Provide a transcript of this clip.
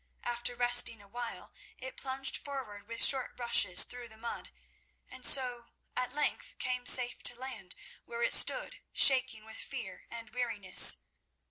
After resting awhile, it plunged forward with short rushes through the mud, and so at length came safe to land, where it stood shaking with fear and weariness.